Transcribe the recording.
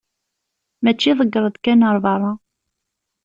mačči ḍegger-d kan ar berra.